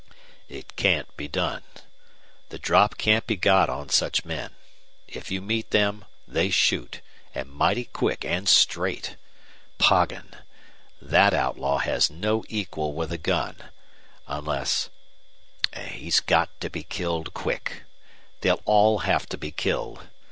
"It can't be done. The drop can't be got on such men. If you meet them they shoot, and mighty quick and straight. Poggin! That outlaw has no equal with a gun unless He's got to be killed quick. They'll all have to be killed.